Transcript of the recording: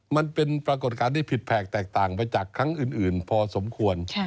มันเป็นปรากฏการณ์ที่ผิดแผกแตกต่างไปจากครั้งอื่นพอสมควร